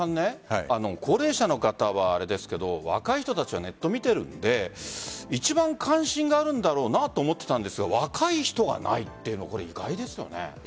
高齢者の方はあれですけど若い人たちはネット見てるので一番関心があるんだろうなと思っていたんですが若い人がないっていうのは意外ですよね。